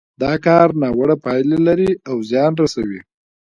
دا کار ناوړه پايلې لري او زيان رسوي.